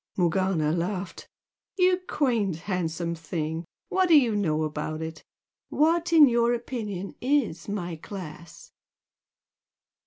Morgana laughed. "You quaint, handsome thing! What do you know about it? What, in your opinion, IS my class?"